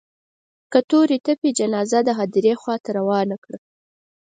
که تورې تپې جنازه د هديرې خوا ته روانه کړه.